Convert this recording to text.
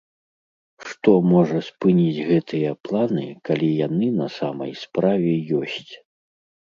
Што можа спыніць гэтыя планы, калі яны на самай справе ёсць?